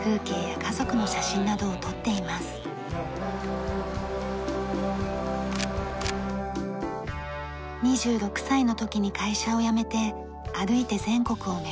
２６歳の時に会社を辞めて歩いて全国を巡る旅に出ました。